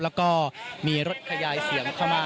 แล้วก็มีรถขยายเสียงเข้ามา